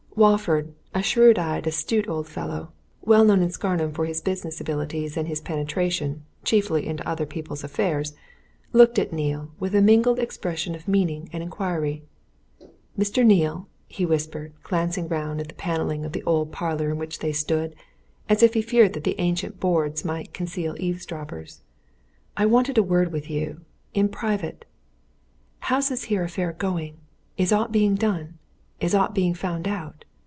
Walford, a shrewd eyed, astute old fellow, well known in Scarnham for his business abilities and his penetration, chiefly into other people's affairs, looked at Neale with a mingled expression of meaning and inquiry. "Mr. Neale!" he whispered, glancing round at the panelling of the old parlour in which they stood, as if he feared that its ancient boards might conceal eavesdroppers, "I wanted a word with you in private. How's this here affair going? Is aught being done? Is aught being found out?